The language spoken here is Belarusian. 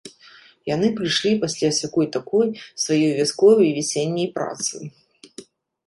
Яны прыйшлі пасля сякой-такой, сваёй вясковай, вясенняй працы.